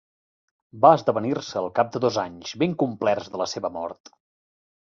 Va esdevenir-se al cap de dos anys ben complerts de la seua mort.